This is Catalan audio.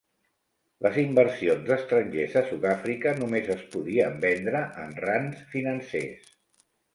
Les inversions d'estrangers a Sud-Àfrica només es podien vendre en rands financers.